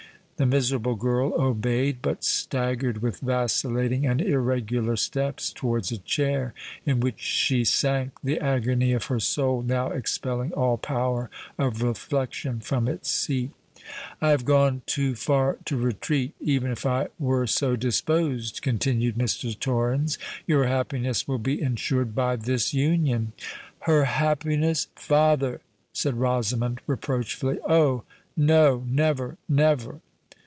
The miserable girl obeyed, but staggered with vacillating and irregular steps towards a chair, in which she sank, the agony of her soul now expelling all power of reflection from its seat. "I have gone too far to retreat—even if I were so disposed," continued Mr. Torrens. "Your happiness will be ensured by this union." "Her happiness, father!" said Rosamond, reproachfully. "Oh! no—never, never!"